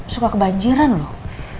suka kebanjiran loh